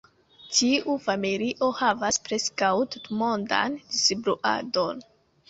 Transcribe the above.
Tiu familio havas preskaŭ tutmondan distribuadon.